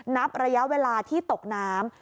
นับระยะเวลาที่ตกน้ำ